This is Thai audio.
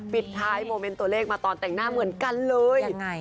ปิดท้ายโมเมนต์ตัวเลขมาตอนแต่งหน้าเหมือนกันเลย